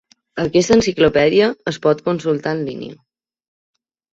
Aquesta enciclopèdia es pot consultar en línia.